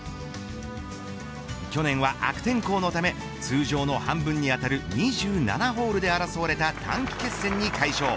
去年は悪天候のため通常の半分に当たる２７ホールで争われた短期決戦に快勝。